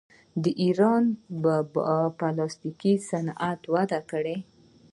د ایران پلاستیک صنعت وده کړې.